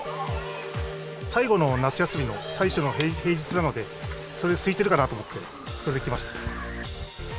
最後の夏休みの平日なので、空いてるかなと思って、それで来ました。